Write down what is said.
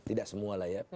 tidak semua lah ya